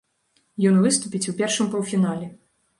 Ён выступіць у першым паўфінале.